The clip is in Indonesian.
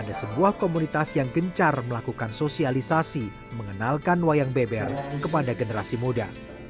ada sebuah komunitas yang gencar melakukan sosialisasi mengenalkan wayang beber kepada generasi muda